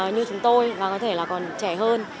như chúng tôi và có thể là còn trẻ hơn